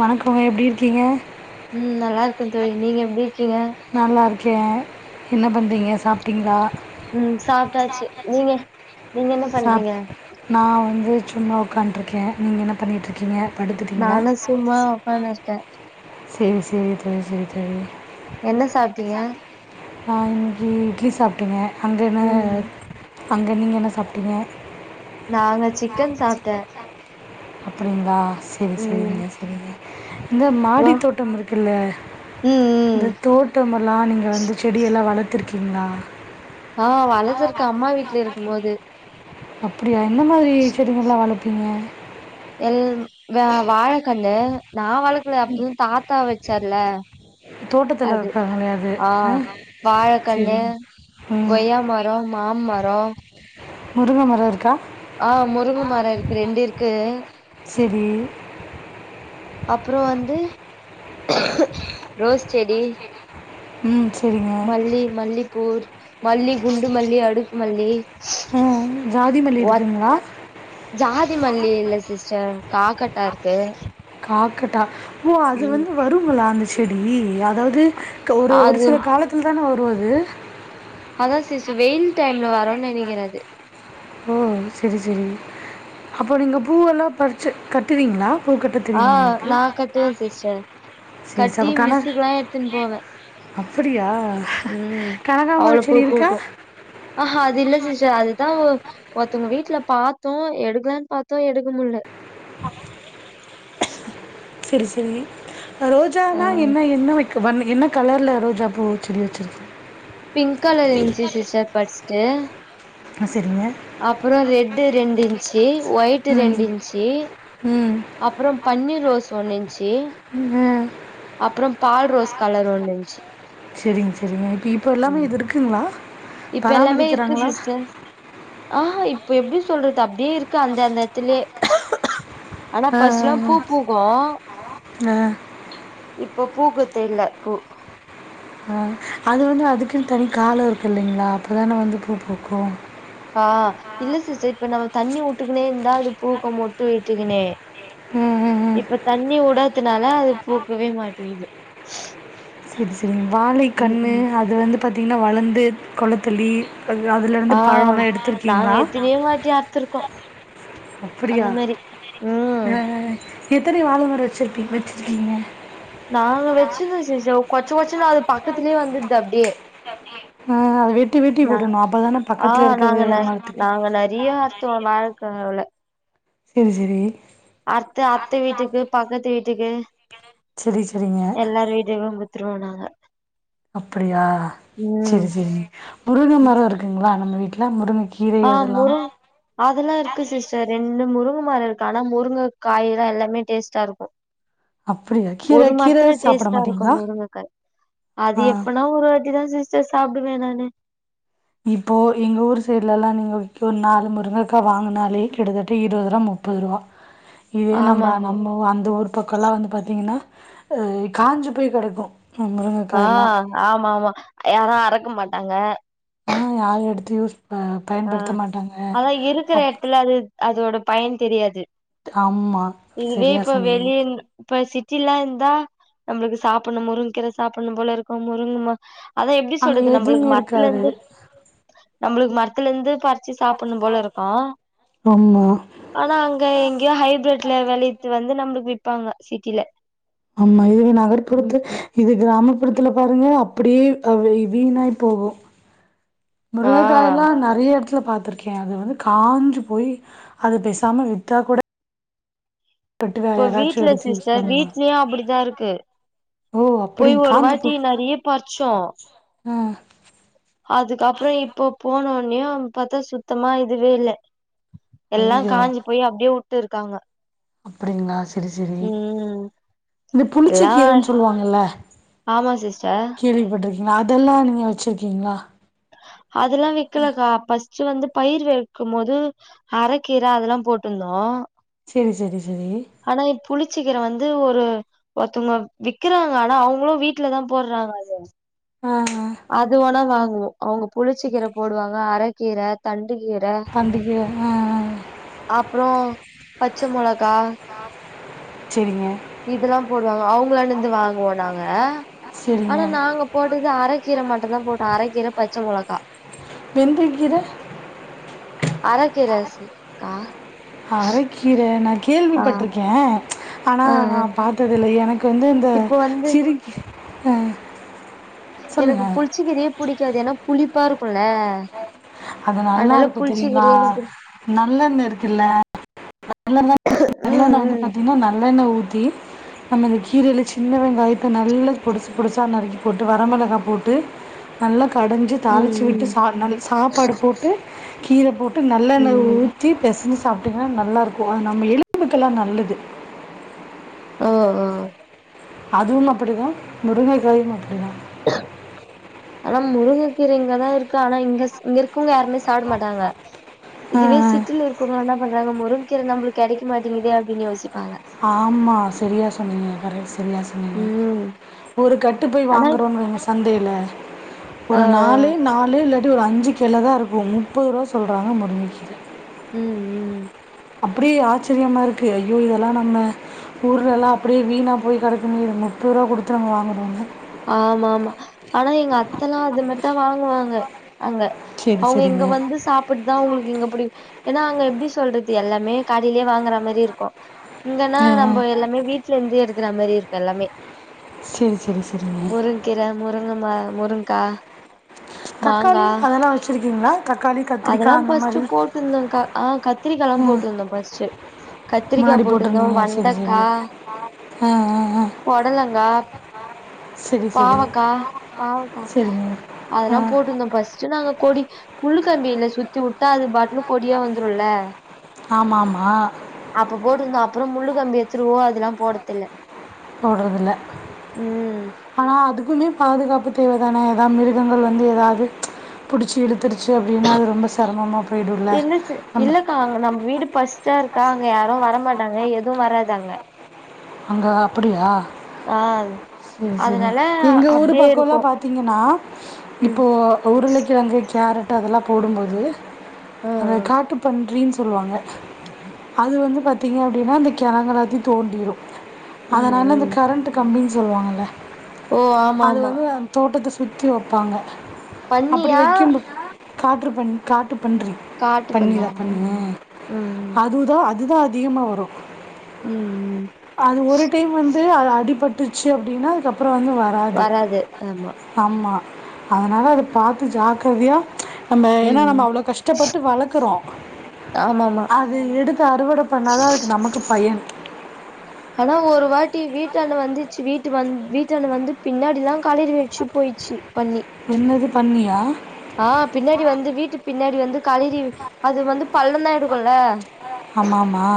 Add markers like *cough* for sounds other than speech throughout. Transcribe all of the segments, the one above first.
வணக்கங்க எப்டி இருக்கீங்க உம் நல்லா இருக்கும் தோழி நீங்க எப்படி நல்லா இருக்கேன் என்ன பண்றீங்க சாப்டீங்களா ம் சாப்ட்டாச்சு சாப்டாச்சு நீங்க நீங்க என்ன சாப் பண்றீங்க நான் வந்து சும்மா உட்காண்ட்ருக்கேன் நீங்க என்ன பண்ணிட்டுருக்கீங்க நானு சும்மா உக்கானு இருக்கேன் செரி செரி தோழி செரி தோழி என்ன சாப்பிட்டீங்க நான் இங்க இட்லி சாப்ட்டங்க அங்கென்ன ம் அங்க நீங்க என்ன சாப்ட்டீங்க நாங்க சிக்கன் சாப்ட்டேன் அப்புடிந்தா சேரி சேரிங்க சேரிங்க இந்த மாடி அப்றோ தோட்டம் இருக்குல்ல ம் இந்த ம் தோட்டம் எல்லாம் நீங்க வந்து செடிய எல்லாம் வள வளத்துர்க்கீங்களா ஆஹ் வளது இருக்கு அம்மா வீட்ல இருக்கும் போது அப்படியா என்ன மாதிரி செடிங்களா வளர் திங்க எல் வ வாழக்கண்ணு நா வளர்க்கல அப்பும் தாத்தா வச்சர்ல தோட்டத்தில் அது வைப்பாங்களே அது ஆஹ் ஆ வாழைக்கண்ணு சரிங்க. ம். கொய்யா மரம் மாமரம் முருங்க மரம் இருக்கா ஆஹ் முருங்க மரம் இருக்கு ரெண்டு இருக்கு சரி. அப்புறம் வந்து ரோஸ் செடி உம் மல்லி மல்லிப்பூர் மல்லி குண்டு மல்லி அடுக்கு மல்லி அ ஜாதி மல்லி ஒ இருக்குங்களா? ஜாதி மல்லி இல்ல சிஸ்டர் காக்கட்டா இருக்கு க்குடா ஓ அது ம் வந்து வருங்களா அந்த செடி அதாவது ஒரு ஒரு சில காலத்தில் தானே வ முப்பது அதான் சிசு வெயில் டைம்ல வரோன்னனு நினைக்கிறது ஓ சேரி சேரி அப்போ நீங்க பூவெல்லாம் பறிச்சி கட்டுவீங்களா பூ கட்ட தெரியுமா ஆஹ் உங்களுக்கு? நா கட்டுவேன் சிஸ்டர் சரி, ச கட்டி அப்ப கனக மிஸுக்குல்லாம் எடுத்துன்னு போவேன் அப்படியா உம் அவ்வளோ கனகாமரம் பூ செடி இருக்கா? பூக்கும் ஆஹஹா அது இல்ல சிஸ்ட் அதுதான் ஒ ஒருத்தவங்க வீட்டுல பார்த்தோம் எடுக்கலான்னு பார்த்தோம் எடுக்க முல்ல சேரி சேரி இப்ப ஆ ரோஜானா என்ன என்ன வை கு வண்ணு என்ன கலர்ல ரோஜா பூ செடி வச்சிருக்கேன் பிங்க் கலர் இருச்சு சிஸ்டர் ஃபர்ஸ்டு ஆ சரிங்க அப்புறம் ரெட் ரெண்டு இன்ச்சு ஒயிட் ரெண்டு இன்ச்சு ம் ம் அப்புறம் பன்னீர் ரோஸ் சோன்னிசு *unintelligible* ஆ அப்புறம் பால் ரோஸ் கலர் ஒண்ணுருஞ்சு. சேரிங்க சேரிங்க இப்ப இப்ப எல்லாமே இது இருக்குங்களா இப்ப எல்லாமே இருக்கு பராமரிக்கிறாங்களா சிஸ்டர் ஆஹஹ இப்ப எப்பிடி சொல்றது அப்து தீர்க்கு அந்த அந்த இடத்துலே ஆனா ஆ ஆ பஸ்லாம் பூ பூக்கும் ஆ ஆ இப்போ பூகுத்து இல்ல பூ ஆஹ அது வந்து அதுக்குனு தனி காலோ இருக்கு இல்லிங்களா அப்புதானே வந்து பூ பூக்கு. ஆஹ இல்ல சிஸ்டர் இப்ப நம்ம தண்ணி வுட்டுக்னே இருந்தா அது பூக்கும் மொட்டு விட்டுக்கினே ம் ம் ம் இப்ப தண்ணி வுடத் பத்துனால அது பூக்கவே மாட்டிங்குது சரி சரி வாழை கண்ணு அது வந்து பாத்தீங்கின்னா வளர்ந்து கொளத்தள்ளி அது அதுலருந்து ஆஹ பழம்லாம் நாங்க எடுத்திருக்கீங்களா? எத்தினோ வாட்டி அர்த்திருக்கோம் அப்படியா ஹன் ஹன் ஹன் எத்தனை வாழமர வச்சு எங்க வச்சுருக்கீங்க. நாங்க வச்சிருந்த சீசோ கொ *unintelligible* பக்கத்துலேயே வந்துது அப்படியே அஹ அத வெட்டி வெட்டி விடனும் அப்பதானே ஆ பக்கத்துல நாங்க இருக்கிறது ந மரத்துக்கு நாங்க நெறைய அறுத்துவோ வாழக்கெழங்குல சேரி சேரி அர்த்து அத்த வீட்டுக்கு பக்கத்து வீட் த்கே சரி சரிங்க த்ரோ நாங்க அப்படியா ம் செரி செரி முருகங்கமரம் இருக்குங்களா நம்ம வீட்டுல முருமை ஆஹ முருங் அதெல்லா இருக்கு சிஸ்டர் ரெண்டு முருங்க சுமார் இருக்கானா முருங்ககாய் எல்லாமே டேஸ்ட்டா இருக்கும் அப்படியா? கீரை ஒரு கீரை மரத்துல சாப்பிட டேஸ்டா இருக்கோம் மாட்டீங்களா? முருங்கக்காய் அது ஆ. எப்புனா ஒரு வாட் இதான் சிஸ்டர் சாப்டுவேன் நானு இப்போ எங்க ஊர் சைடுல எல்லா விக்கும் நீங்க ஒரு நாலு முருங்கக்கா வாங்கினாலே கிட்டத்தட்ட இருபது ரூபாய் முப்பது ரூபா இதே ஆமா நம்ம சிஸ் நம்ம அந்த ஊர் பக்கலா வந்து பாத்தீங்கன்னா ஹ காஞ்சு போய் கெடக்கும் ஆஹ் ஆமா ஆமா யாரே அரக் இருக்க மாட்டாங்க ஆஹ் யாரு எடுத்து யுஸ் ஆ அதான் இருக்கிற அப் இடத்துல அது அதோட ப் பயம் தெரியாது ஆமா இதுவே சரியா இப்ப சொன்னீங்க வெளிய இப்ப சித் சிலா இருந்தா நம்மளுக்கு சாப்பிடணும் முருங்கீரை சாப்பிடும் போல இருக்கும் முருங்குமா அதான் எப்டி அங்க சொல்றது நம்பளுக்கு எதுவுமே மத்துல இருக்காது இருந்து நம்மளுக்கு விட்டுஇருந்து பத் வச்சு சாப்பன்னு போல இருக்கும் ஆமா ஆனா அங்க எங்கயோ ஹைபட்ல வெளியட்டு வந்து நம்பளுக்கு விற்ப்பாங்க சிட்டில ஆமா இதுவே ம் நகர்ப்புறத்து ம் இது கிராமத் அப்புடத்துல பாருங்க அப்படியே வீணாய் போகும் ஆ முருங்கைகாய் எல்லாம் நிறைய இடத்துல பா்த்திருக்கேன் அது வந்து காஞ்சு போய் அது பேசாம விட்டா கூட கட்டு வேற இப்ப யாராச்சும் வீட்டுல எடுத்து யூஸ் சிஸ்டர் பண்ணுவாங்க. வீடலயும் அப்டித்தான் இருக்கு ஓ! போய் அப்படிங் ஒரு காஞ்சு வாட்டி போய் நெறைய பறிச்சோம் ஆ அதுக்கப்பறம் இப்போ போனோ லோயும் பத்தா சுத்தமா இதுவே இல்ல எல்லாம் ஐயயோ! காஞ்சி போய் அப்டியே வுட் விட்டு இருக்காங்க அப்படிங்காள சோ சேரி சேரி ம் இந்த புளிச்ச எல்லா கீரைன்னு சொல்லுவாங்கல்ல ஆமா சிஸ்டர் கோள்விப்பட்ரி அதெல்லாம் நீங்க வச்சிருக்கீங்களா அதெல்லாம் வேக்கலக்கா பஸ்ட்டு வந்துப் பயிர் வறுக்கும் போது அரைக்கீர அதெல்லாம் போட்டிருந்தோம் சேரி சேரி ஆனாப் புளிச்சக்கிற வந் ஒரு ஒருத்தவங்க விக்கிறாங்க ஆனா அவங்களும் வீட்டுலதான் போடுறாங்க அது ஆஹ் ஆஹ் அது ஒனா வாங்குவோம் அவங்க புளிச்சிக்கீர போடுவாங்க அர கீற தண் கீர தண்டுக்கீரை ஆ, ஆ. அப்பறம் பச்ச மெளகா சரிங்க, இதெல்லாம் போடுவாங்க அவங்கள ந இருந்து வாங்குவோம் நாங்க சரிங்க. ஆனா நாங்க போட்டது அரக்கீர மட்டும்தான் போட்டோம் அரக்கீர பச்ச மிளகா வெந்தயக்கீரை? அரக்கீர இருக்கா அரக்கீர ந கேள்விப்பட்ருகேன் ஆனா ஆ நா பார்த்தது இல்ல எனக்கு வந்து இத இப்ப வந்து சிரி பே எனகு புளிச்சிக்கிறயே புடிக்காது ஏன்னா புளிப்பா இருக்குல அது நல்லா இருக்கு தெரியுங்களா நல்லன்ன இருக்குல்ல நல்லண்ண ம் நல்லண்ணவந்து ம் பாத்தீங்னா நல்லெண்ண ஊத்தி நம்ம இந்த கீரல சின்ன வெங்காயத்த நல்ல பொடிசு பொடிசா நறுக்கி போட்டு வரமிளகா போட்டு நல்லா கடஞ்சி தாளிச்சி விட்டு ம் ம் சா நல் சாப்பாடு போட்டு கீரபோட் ட்டுநல்லண்ண ம் ஊத்தி பெசஞ்சி தாப்டீங்னா நல்லா இருக் ஓ நம்ம எலும்புக்கெல்லா நல்லது ஓஹ் அஹ் அதுவும் அப்டிதா முருங்கைக்காயும் அப்டிதா ஆனா முருங்கக்கீர இங்கதா இருக்கு ஆனா இங்க இங்கருக் இவுங்க யாருமே சாப்ப மாட்டாங்க இதுவே சிட்டில இருக்கவங்க என்ன பண்றாங்க முருங் கீற நம்ளுக் கெடக்கமாட்டேங்கிது அப்டின் யோசி ஆமா சரியா சொன்னீங்க கரெக்ட் சரியா சொன்னீங்க ம் ஒரு கட்டு போய் ஆனா வாங்கறோம்னு வைங்க தந்தயில ஆ ஒரு நாலு நாலு ல ட்டு ஒரு அஞ்சி கிழ தா இருக்கும் முப்பது ரூபா சொல்றாங்க முருங்கைக்கீர உம் உம் அப்டியே ஆச்சரியமா இருக்கு ஐயோ இதெல்லாம் நம்ம ஊர்லயெல்லாம் அப்டியே வீணா போய் கிடக்குமே முப்ப ரூவா குடுத்து நம்ம வாங்கறோங்க ஆமா த்தே வாங்க வாங்க அங்க சரி அவங்க இங்க சரிங்க வந்து சாப்பிட்தா அவங்ளுக்கு இங்கபுடி ஏன்னா அங்க எப்டி சொல்றது எல்லாமே கடைலயே வாங்குற மாரி இருக்கு இங்கன்னா ஆ, ஆ. நம்ப எல்லாமே வீட்டுல இருந்து எடுக்ற மாரி இருக்கு எல்லாமே சரி சரி சரிங்க முருங்கீற முருங்கமா முருங்கா மாங்கா தக்காளி அதெல்லா வச்சிருக்கீங்களா அதெல்லா பஸ்ட் போட்ருந்தோக்கா ஆஹ் கத்திரிக்காய எல்லாம் ம் போட்டிருந்தோம் பஸ்ட் கத்திரிக்காய் முன்னாடி போட்டுருந்தோம் போட்டிருந்தீங்க சரி சரி வண்டக்கா ஆ ஆ ஆ பொடலங்கா சரி சரி பாவக்கா பாவக்கா சரிங்க ஆ அதெல்லா போட்டுருந்தோ பஸ்ட் நாங்க கொடி உள்ளு கம்பில்ல சுத்தி வுட்டா அது பாட்னு கொடியா வந்துருல்ல ஆமாம் ஆமாம் அப்ப போட்டுருந்தோ அப் அப்புற முள்ளு கம்பி எத்துடுவோ அதுலாம் போடுறதுல ம் ஆனா அதுக்குமே பாதுகாப்பு தேவதான வா மிருகங்கள் வந்து எதாது புடுச்சி இழுத்துரு சு அப்டின்னா அது ரொம்ப செரமமா போயிடுல்ல நம்ப பர்ஸ்டா இருக்கா அங்க யாரு வர மாட்டாங்க எது வராதங்க அங்க அப்படியா சேரி சேரி அதனால எங்க ஊரு அப்டியே பக்கொல்லா இருக்கு பாத்தீங்கனா ம் இப்போ உருளக்கிழங்கு கேரட் ப்ப அதெல்லா போடும்போது ஆ அந்த ஆ காட்டு பன்றின் சொல்வாங்க அது வந்து பத் திங்க அப்டினா அந்த கெழங்கெல்லாத்தை தோண்டிரு ம் அதனால இந்த ம் கரண்ட் கம்பி சொல்வாங்கள்ல ஓ அது ஆமாமா வந்து தோட்டத்து சுத்தி வப்பாங்க பண்ணியா காட்ரு பன் காட்டு பன்றி பன்னிதா பன்னியா ம் பன்னி அ ம் அதுதா அ அதுதான் அதிகமாக வரும். உம் உம் அது ஒரு டைம் வந் து அடிபட்டுச்சு அப்படின்னா அதுக்கப். அப்புறோ வந்து வராது ஆமா அதனால அத பார்த்து ஜாக்கிரதையா ம்ச். நம்ப ஏனா ம் நம்ம அவ்ளோ கஷ்டப்பட்டு வளக்குறோ ஆமாமா அது எடுத்து அறுவட பண்ணாதா அதுக்கு நமக்கு பயன் ஆனா ஒரு வாட்டி வீட்டாண்ணு வந்துச்சு வீட்டு வந் வீட்டாணு வந்து பின்னாடிதா கலறி வச்சு போயிச்சு பன்னி என்னது பன்னியா ஆ பின்னாடி வந்து வீட்டுக்கு பின்னாடி வந்து கலறி அது வந்து பள்ளந்தா எடுக்குல்ல ஆமாமா.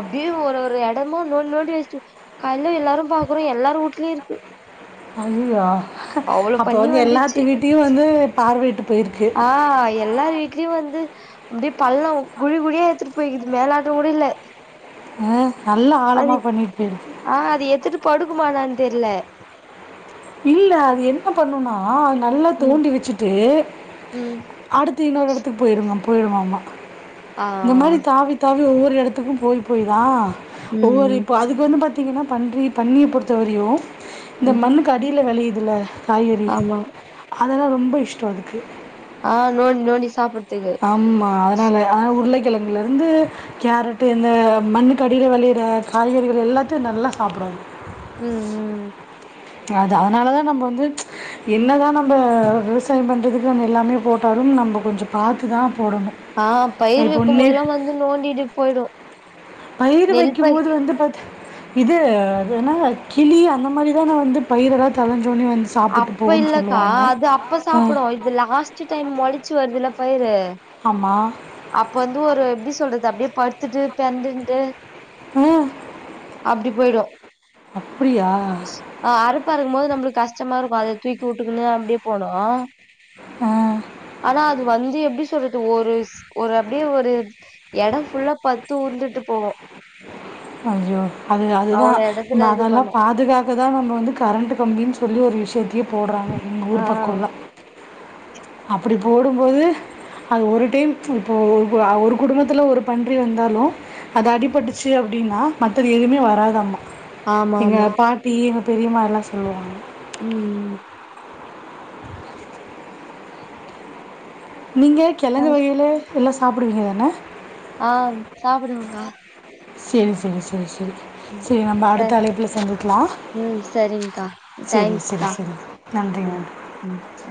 அப்டியே ஒரு ஒரு எ டமா நோன் நோண்டி வச்ட்டு கால்ல எல்லாரும் பாக்குறோ எல்லார் வூட்லை இருக்கு அய்யயோ அவ்ளோ அப்ப பன்னி வந்து எல்லாத்து வீட்டயு வந்து பார்வையிட்டு போயிருக்கு. ஆஹ் எல்லாரு வீட்லயு வந்து அப்டே பள்ள குழி குழியா ஏடுத்துட்டு போயக்குது மேல ஆட்ட கூட இல்ல ஹ நல்ல ஆலமா பண்ணிட்டு போயிடுத்து படுக்குமா என்னானு தெரியல இல்ல அது என்ன பண்ணும்னா நல்லா ம் தோண்டி வச்சுட்டு ம் அடுத்து இன்னொரு இடத்துக்கு போயிடுங்கப் போயிடுமாம ஆ இந்த மாரி தாவி தாவி ஒ வொரு இடத்துக்கும் போய்-போய் தா ம் ஒவ்வொரு ம் இப்போ அதுக்கு வந்து பாத் திங்கன்னா பன்றி பன்னிய பொறுத்த வரையு இந்த ம் மண்ணுக் கீழ வெளயுதுல காய்கறி ஆமா அதெல்லா ரொம் ம்ப இஷ்ட அதுக்கு ஆஹ் நோன்டி நோன்டி சாப்பத் ஆமா அதனால அ உருளைக் கிழங்குலருந்து கேரட்டு என்ன மண்ணுக் கடில வெளையிற காய்கறிகள் எல்லாத்தையு நல்லா சாப்பிடு வாங்க உம் உம் அது அதனால நம்ம வந்து என்ன தா நம்ம விவசாய பண்ணுறதுக்கு நம்ம எல்லாமே போட்டாலு நம்ப கொஞ்சம் பார்த்து தா ஆஹ் பயிர் வெக்குபோழுதெல்லா வந்து நோண்டிட்டு போயிடு பயிர் நெல் வைக்கும் பயிர் போது வந்து ப இது அதுனா கிளி அந்த மாரிதான வந்து பயிரெல்லா தளஞ் அப்ப இல்லக்கா அது அப்ப ஆ சாப்பிடும் இது லாஸ்ட் டைம் மொலச்சி வருதுல பயிரு ஆமாம் அப்ப வந்து ஒரு எப்டி சொல்றது அப்டியே படுத்துட்டு பெரண்ட்ன்டு உம் அப்டி போயிடும் ஆஹ் அறுப்பு அருக்கும் போது நம்மளுக்கு கஷ் *unintelligible* அத தூக்கி வுட்டுக்கனு அப்டியே போனோ ஆ ஆனா அது வந்து எப்டி *unintelligible* ஒரு ஷ் ஒரு அப்டியே ஒரு எடம் ஃபுல்லா ப தூர்ந்துட்டு போவோம் ஐய்யோ அது அதுதான் நம்ம எடத்துல இது அதெல்லா பண்ணு பாதுகாக்க தான் நம்ம வந்து கரண்ட் கம்பின்னு சொ சொல்லி ஒரு விஷயத்தையே போடுறாங்க ஆ ஊரு பக்கோல அப்படி போடுபோது அது ஒரு டைம் இப்போ ஒரு குடும்பத்தில ஒரு பன்றி வந்தாலொஅது அடிபட்டுச்சு அப்படின்னா மற்றது எதுவுமே வராதாமா ஆமா எங்க ஆமா பாட்டி பெரிமா என்ன சொல்லுவாங்க உம் நீங்க கிழங்கு வகையில எல்லாம் சாப்பிடுவீங்க தானே ஆஹ் சாப்பிடுங்கா செரி செரி செரி செரி சரி நம்ம ச அடுத்த அலைப்புல சந்திக்லாம் ம் சரிங்க்கா செரி செரி தேங்க்ஸ்க்கா செரி நன்றி ம் மேடம் நன்றிங்க ம் சரி